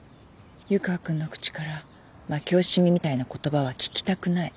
湯川君の口から負け惜しみみたいな言葉は聞きたくない。